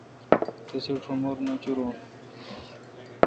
تسے°شمور نچُورِن